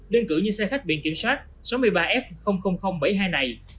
đơn cử như xe khách biển kiểm soát sáu mươi ba f bảy mươi hai này